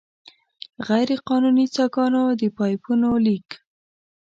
غیرقانوني څاګانو، د پایپونو لیک.